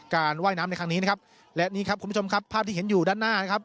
ว่ายน้ำในครั้งนี้นะครับและนี่ครับคุณผู้ชมครับภาพที่เห็นอยู่ด้านหน้านะครับ